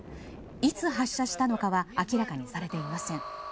いつ発射したのかは明らかにされていません。